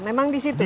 memang di situ ya